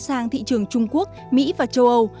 sang thị trường trung quốc mỹ và châu âu